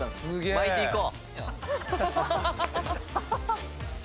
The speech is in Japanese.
巻いていこう。